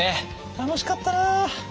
楽しかったな。